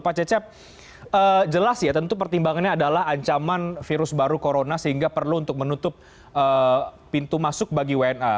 pak cecep jelas ya tentu pertimbangannya adalah ancaman virus baru corona sehingga perlu untuk menutup pintu masuk bagi wna